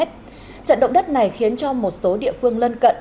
trận động đất này khiến cho một số địa phương lân cận